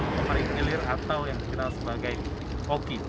kemarin gilir atau yang dikenal sebagai oki